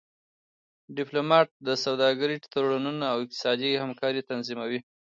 ډيپلومات د سوداګری تړونونه او اقتصادي همکاری تنظیموي.